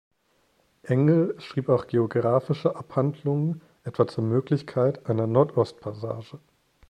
Engel schrieb auch geographische Abhandlungen, etwa zur Möglichkeit einer Nordostpassage.